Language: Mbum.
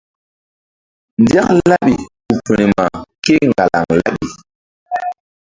Nzak laɓi ku firma kéŋgalaŋ laɓi.